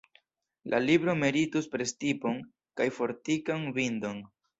La libro meritus prestipon kaj fortikan bindon.